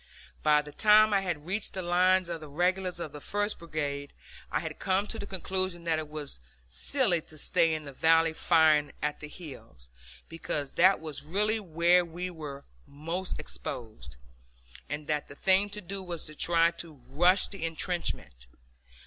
By the time I had reached the lines of the regulars of the first brigade I had come to the conclusion that it was silly to stay in the valley firing at the hills, because that was really where we were most exposed, and that the thing to do was to try to rush the intrenchments.